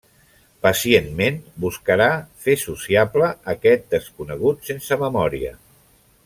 Pacientment buscarà fer sociable aquest desconegut sense memòria.